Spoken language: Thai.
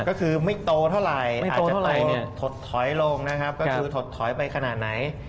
ก็คือไม่โตเท่าไหร่อาจจะโทดถอยลงก็คือโทดถอยไปขนาดไหน